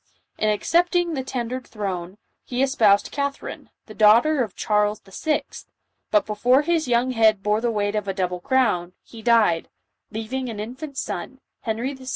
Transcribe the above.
In accepting the tendered throne, he espoused Catherine, the daughter of Charles VI., but before his young head bore the weight of a double crown, he died, leaving an infant son, Henry VI.